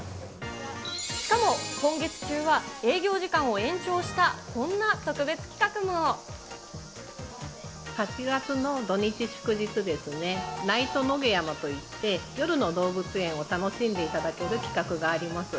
しかも今月中は営業時間を延８月の土日祝日ですね、ナイトのげやまといって、夜の動物園を楽しんでいただける企画があります。